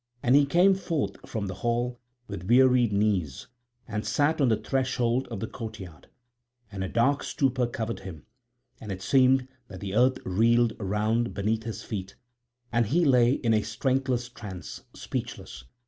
And he came forth from the hall with wearied knees and sat on the threshold of the courtyard; and a dark stupor covered him, and it seemed that the earth reeled round beneath his feet, and he lay in a strengthless trance, speechless.